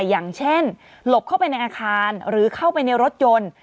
อย่างเช่นหลบเข้าไปในอาคารหรือเข้าไปในรถยนต์